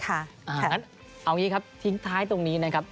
เอาอย่างนี้ครับทิ้งท้ายตรงนี้นะครับ